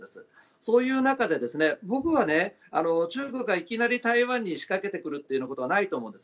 そういう中で僕は中国がいきなり台湾に仕掛けてくるということはないと思うんです。